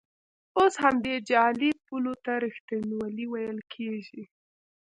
اوس همدې جعلي پولو ته ریښتینولي ویل کېږي.